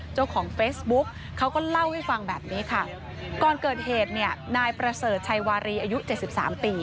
เจ้าของเฟซบุ๊กเขาก็เล่าให้ฟังแบบนี้ค่ะก่อนเกิดเหตุเนี่ยนายประเสริฐชัยวารีอายุเจ็ดสิบสามปี